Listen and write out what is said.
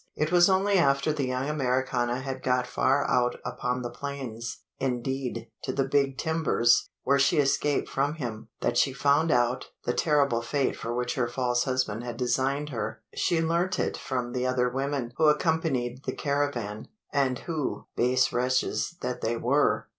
It was only after the young Americana had got far out upon the plains indeed, to the Big Timbers, where she escaped from him that she found out the terrible fate for which her false husband had designed her. She learnt it from the other women who accompanied the caravan; and who, base wretches that they were!